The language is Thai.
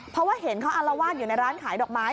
เพราะว่าเห็นเขาอารวาสอยู่ในร้านขายดอกไม้